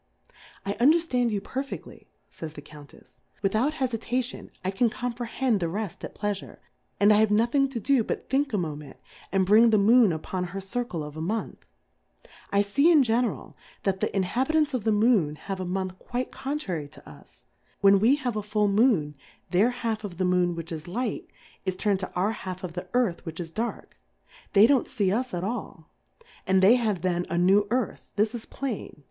I underfland you perfeftly, fays the Cotmtefs^ without Hefitation, I can comprehend the reft at Pleafure, and I have nothing to do but thiiik a Mo ment, and bring the Moon upon her Circle of a Month. I fee in general that, the Inhabitants of the Moon have a Month quite contrary to us ; when we have a full Moon, their half of the Moon which is Light, is turned to our half of the Earth which is Dark ; they don't fee us at a!l, and they have then a New^ Earth, this is plain.